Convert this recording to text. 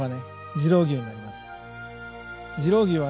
次郎笈になります。